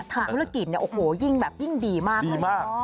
ทำธุรกิจยิ่งดีมากเลย